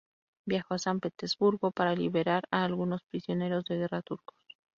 Viajó a San Petersburgo para liberar a algunos prisioneros de guerra turcos.